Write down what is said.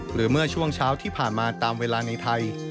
เมื่อช่วงเช้าที่ผ่านมาตามเวลาในไทย